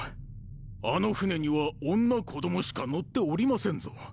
あの船には女子供しか乗っておりませんぞ。